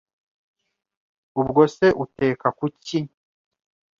Ubwo se uteka ku ki?